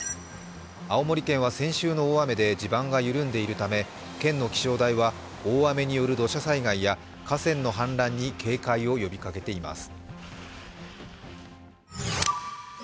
青森県は先週の大雨で地盤が緩んでいるため、県の気象台は、大雨による土砂災害や河川の氾濫に警戒を呼びかけています。